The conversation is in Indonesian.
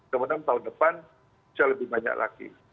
kemudian tahun depan bisa lebih banyak lagi